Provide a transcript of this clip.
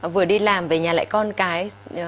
vừa đi làm về nhà lại con cái